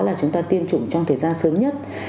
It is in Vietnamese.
là chúng ta tiêm chủng trong thời gian sớm nhất